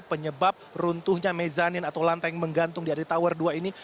penyebab runtuhnya mezanin atau lantai yang menggantung di area tower dua ini